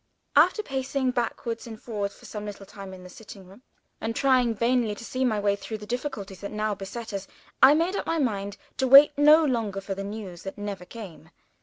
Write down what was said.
After pacing backwards and forwards for some little time in the sitting room, and trying vainly to see my way through the difficulties that now beset us, I made up my mind to wait no longer for the news that never came.